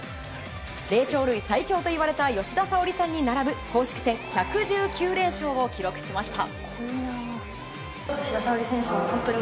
霊長類最強といわれた吉田沙保里さんに並ぶ公式戦１１９連勝を記録しました。